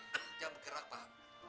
jangan bergerak pak